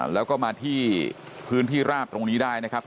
แล้วก็มาที่พื้นที่ราบตรงนี้ได้นะครับ